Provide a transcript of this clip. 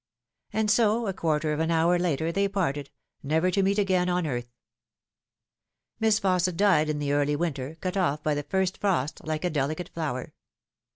And so, a quarter of an hour later, they parted, never to meet again on earth. Miss Fausset died in the early winter, cut off by the first frost, like a delicate flower.